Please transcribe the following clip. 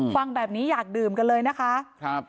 ฟังแบบนี้อยากดื่มกันเลยนะคะ